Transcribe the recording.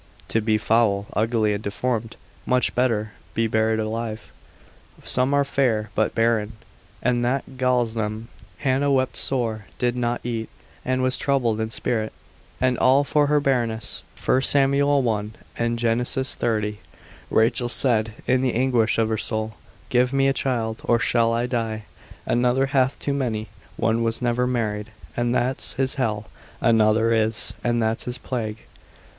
To be foul, ugly, and deformed, much better be buried alive. Some are fair but barren, and that galls them. Hannah wept sore, did not eat, and was troubled in spirit, and all for her barrenness, 1 Sam. 1. and Gen. 30. Rachel said in the anguish of her soul, give me a child, or I shall die: another hath too many: one was never married, and that's his hell, another is, and that's his plague.